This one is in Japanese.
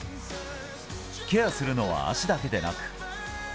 ケアするのは足だけでなく。